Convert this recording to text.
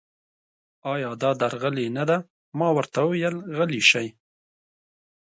ایا دا درغلي نه ده؟ ما ورته وویل: غلي شئ.